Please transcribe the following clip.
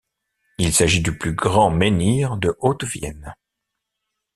Il s’agit du plus grand menhir de Haute-Vienne.